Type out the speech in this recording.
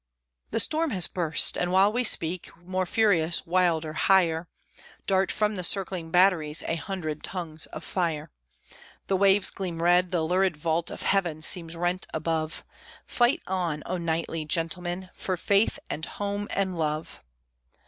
The storm has burst! and while we speak, more furious, wilder, higher, Dart from the circling batteries a hundred tongues of fire; The waves gleam red, the lurid vault of heaven seems rent above Fight on, O knightly gentlemen! for faith, and home, and love!